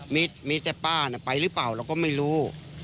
มีแต่ป้าน่ะไปหรือเปล่าเราก็ไม่รู้